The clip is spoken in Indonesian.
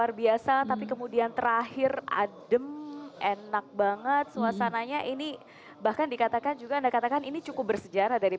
nanti sejauh ini kita lanjutkan lagi